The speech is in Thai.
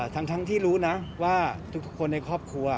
ทั้งที่รู้นะว่าทุกคนในครอบครัว